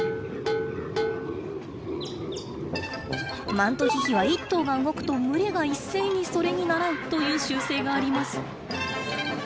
マントヒヒは一頭が動くと群れが一斉にそれに倣うという習性があります。